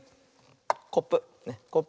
コップ。